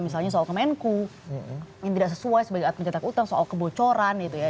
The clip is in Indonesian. misalnya soal kemenku yang tidak sesuai sebagai atas mencetak hutang soal kebocoran gitu ya